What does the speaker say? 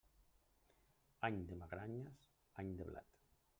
Any de magranes, any de blat.